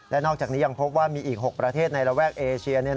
และนอกจากนี้ยังพบว่ามีอีก๖ประเทศในระแวกเอเชีย